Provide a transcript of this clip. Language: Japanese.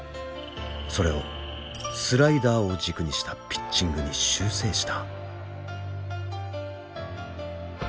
それをスライダーを軸にしたピッチングに修正した。